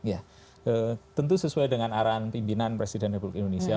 ya tentu sesuai dengan arahan pimpinan presiden republik indonesia